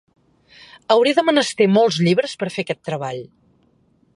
Hauré de menester molts llibres, per a fer aquest treball.